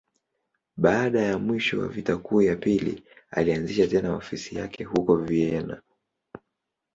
Baada ya mwisho wa Vita Kuu ya Pili, alianzisha tena ofisi yake huko Vienna.